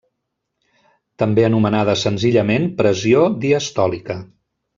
També anomenada senzillament pressió diastòlica.